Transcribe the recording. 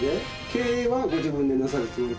経営はご自分でなさるおつもりで？